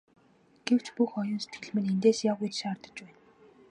Гэвч бүх оюун сэтгэл минь эндээс яв гэж шаардаж байна.